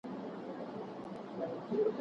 که عدالت نه وي بېوزلي نه کميږي.